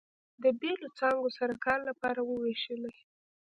د بېلو څانګو سره کار لپاره ووېشلې.